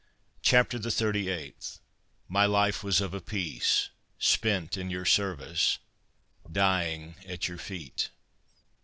CHAPTER THE THIRTY EIGHTH. My life was of a piece. Spent in your service—dying at your feet.